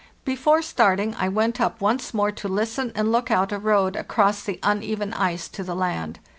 Before starting I went up once more to listen and look out a road across the uneven ice to the land.